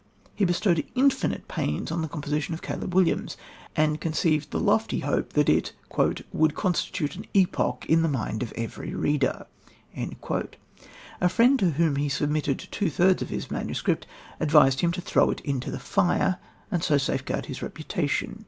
He bestowed infinite pains on the composition of Caleb Williams, and conceived the lofty hope that it "would constitute an epoch in the mind of every reader." A friend to whom he submitted two thirds of his manuscript advised him to throw it into the fire and so safeguard his reputation.